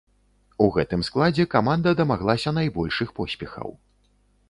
У гэтым складзе каманда дамаглася найбольшых поспехаў.